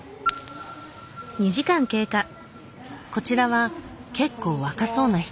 こちらは結構若そうな人。